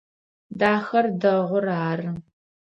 Дахэр дэгъур ары.